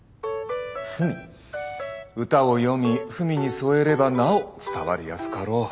歌を詠み文に添えればなお伝わりやすかろう。